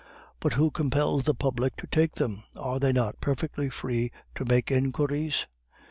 But who compels the public to take them? Are they not perfectly free to make inquiries?"